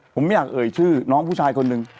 ผมไม่อยากเอ่ยชื่อน้องผู้ชายคนหนึ่ง